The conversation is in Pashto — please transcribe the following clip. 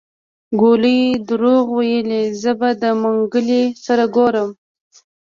ګولي دروغ ويلي زه به د منګلي سره ګورم.